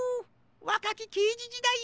わかきけいじじだいを。